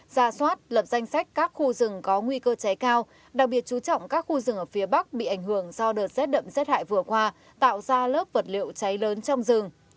ra soát lập danh sách các khu rừng có nguy cơ cháy cao đặc biệt chú trọng các khu rừng ở phía bắc bị ảnh hưởng do đợt rét đậm rét hại vừa qua tạo ra lớp vật liệu cháy lớn trong rừng